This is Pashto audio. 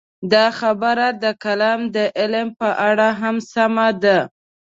دا خبره د کلام د علم په اړه هم سمه ده.